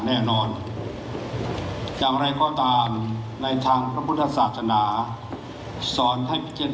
ถือว่าชีวิตที่ผ่านมายังมีความเสียหายแก่ตนและผู้อื่น